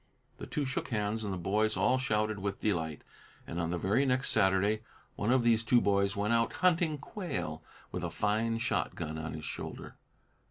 The two shook hands, and the boys all shouted with delight; and on the very next Saturday one of these two boys went out hunting quail with a fine shotgun on his shoulder.